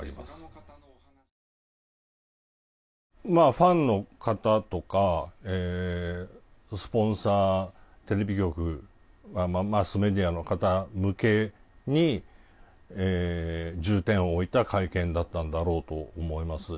ファンの方とかスポンサー、テレビ局マスメディアの方向けに重点を置いた会見だったのだろうと思います。